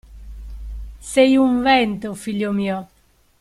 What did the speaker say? Sei un vento, figlio mio.